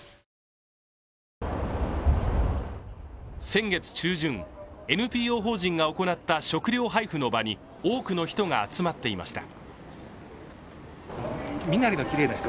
先月中旬、ＮＰＯ法人が行った食料配布の場に多くの人が集まっていました。